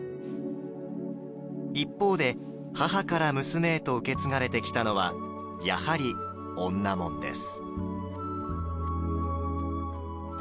一方で母から娘へと受け継がれてきたのはやはり女紋です。